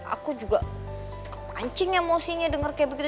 aku juga kepancing emosinya denger kayak begitu